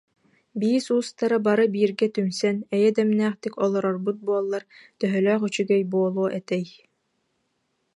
Биис уустара бары бииргэ түмсэн, эйэ дэмнээхтик олорорбут буоллар, төһөлөөх үчүгэй буолуо этэй